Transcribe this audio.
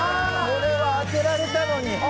「これは当てられたのに！」